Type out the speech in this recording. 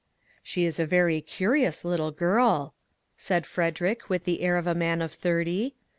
" She is a very curious little girl," said Fred erick, with the air of a man of thirty.